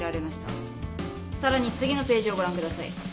さらに次のページをご覧ください。